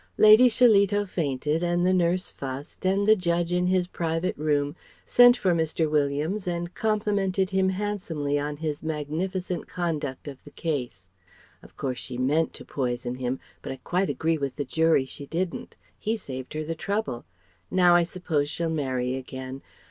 Lady Shillito fainted and the nurse fussed, and the Judge in his private room sent for Mr. Williams and complimented him handsomely on his magnificent conduct of the case. "Of course she meant to poison him; but I quite agree with the Jury, she didn't. He saved her the trouble. Now I suppose she'll marry again.